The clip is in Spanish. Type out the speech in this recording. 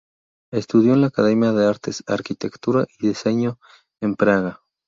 Estudió en La Academia de Artes, Arquitectura y Diseño en Praga.